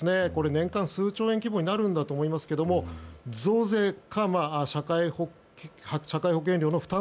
年間数兆円規模になるんだと思いますが増税か社会保険料の負担